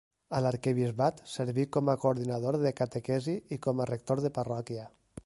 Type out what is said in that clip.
A l'arquebisbat, serví com a coordinador de catequesi i com a rector de parròquia.